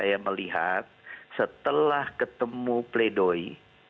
tetapi saya melihat setelah ketemu pleidoy